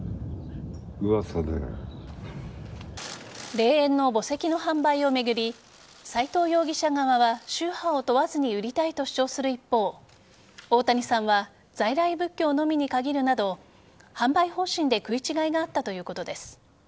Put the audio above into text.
霊園の墓石の販売を巡り斎藤容疑者側は宗派を問わずに売りたいと主張する一方大谷さんは在来仏教のみに限るなど販売方針で食い違いがあったということです。